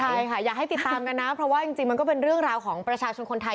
ใช่ค่ะอยากให้ติดตามกันนะเพราะว่าจริงมันก็เป็นเรื่องราวของประชาชนคนไทย